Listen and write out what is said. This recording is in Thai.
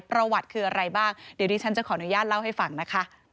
ประวัติคืออะไรบ้างเดี๋ยวดิฉันจะขออนุญาตเล่าให้ฟังนะคะ